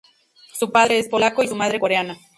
Su padre es polaco y su madre coreana.